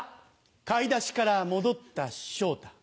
買い出しから戻った昇太。